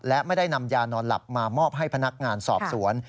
และไม่ได้นำยานอนหลับมามอบให้พนักงานสอบสวน